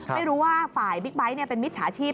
ไม่รู้ว่าฝ่ายบิ๊กไบท์เป็นมิจฉาชีพ